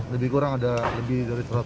lebih kurang ada lebih dari